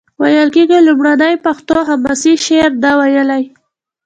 ویل کیږي لومړنی پښتو حماسي شعر ده ویلی.